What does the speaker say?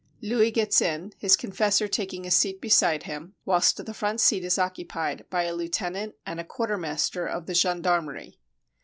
Louis gets in, his confessor taking a seat beside him, whilst the front seat is occupied by a lieu tenant and a quartermaster of the gendarmerie.